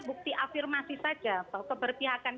bukti afirmasi saja bahwa keberpihakan